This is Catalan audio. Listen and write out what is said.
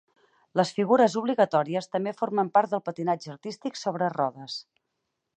Les figures obligatòries també formen part del patinatge artístic sobre rodes.